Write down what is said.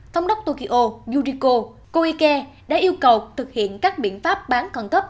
thống đốc tokyo yuriko koike đã yêu cầu thực hiện các biện pháp bán con cấp